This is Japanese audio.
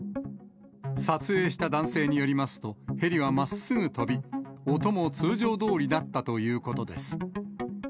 撮影した男性によりますと、ヘリはまっすぐ飛び、音も通常どおりだったということです。